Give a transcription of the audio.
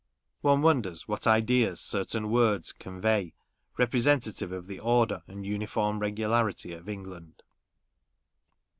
One wonders what ideas certain words convey, representative of the order and uniform regularity of England.